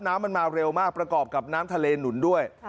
น้ำมันมาเร็วมากประกอบกับน้ำทะเลหนุนด้วย